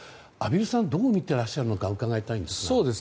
畔蒜さんどう見てらっしゃるのか伺いたいです。